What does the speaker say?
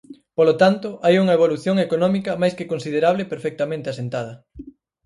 Polo tanto, hai unha evolución económica máis que considerable perfectamente asentada.